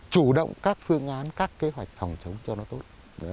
chủ động các phương án các kế hoạch phòng chống cho nó tốt